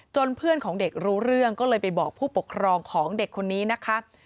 เพื่อนของเด็กรู้เรื่องก็เลยไปบอกผู้ปกครองของเด็กคนนี้นะคะ